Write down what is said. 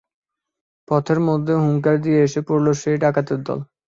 পথের মধ্যে হুঙ্কার দিয়ে এসে পড়ল সেই ডাকাতের দল।